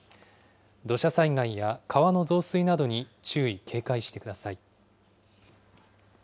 土砂災害や川の増水などに注意、警戒してください。